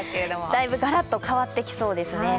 だいぶがらっと変わってきそうですね。